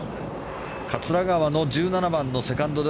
桂川の１７番、セカンド。